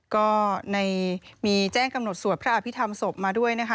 ก็มีแจ้งกำหนดสวดพระอภิษฐรรมศพมาด้วยนะคะ